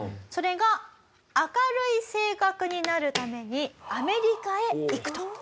それが明るい性格になるためにアメリカへ行くと。